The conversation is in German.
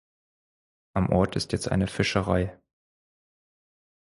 Am Ort ist jetzt eine Fischerei.